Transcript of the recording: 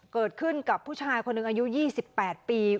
เกิดขึ้นกับผู้ชายคนหนึ่งอายุยี่สิบแปดปี